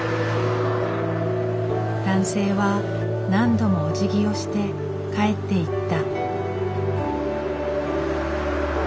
男性は何度もおじぎをして帰っていった。